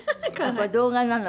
これ動画なの？